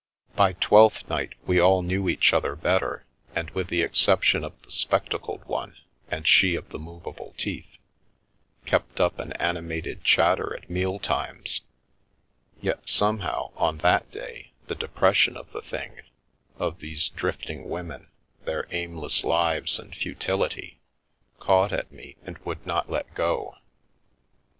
By Twelfth Night we all knew each other better, and, with the exception of the spectacled one and she of the movable teeth, kept up an animated chatter at meal times, yet somehow on that day the depression of the thing— of these drifting women, their aimless lives and futility — caught at me and would not let go.